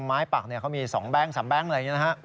ปักเขามี๒แบงค์๓แบงค์อะไรอย่างนี้นะฮะ